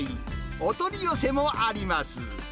お取り寄せもあります。